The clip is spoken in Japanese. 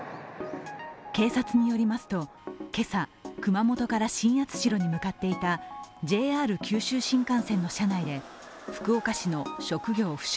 警察によりますと今朝熊本から新八代に向かっていたＪＲ九州新幹線の車内で福岡市の職業不詳